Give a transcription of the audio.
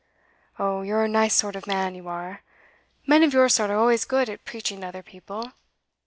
Oh, you're a nice sort of man, you are! Men of your sort are always good at preaching to other people.